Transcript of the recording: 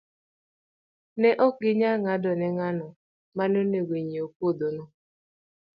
Ne ok ginyal ng'ado ni ng'ano ma ne onego ong'iew puodhono.